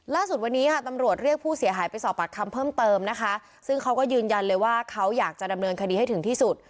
ล่าสุดวันนี้ค่ะตำรวจเรียกผู้เสียหายไปสอบปากคำเพิ่มเติมนะคะซึ่งเขาก็ยืนยันเลยว่าเขาอยากจะดำเนินคดีให้ถึงที่สุด